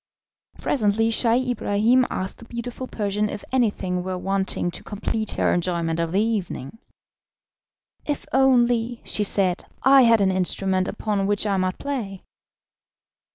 Presently Scheih Ibrahim asked the beautiful Persian if anything were wanting to complete her enjoyment of the evening. "If only," she said, "I had an instrument upon which I might play."